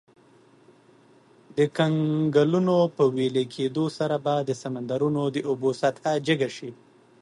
د کنګلونو په ویلي کیدو سره به د سمندرونو د اوبو سطحه جګه شي.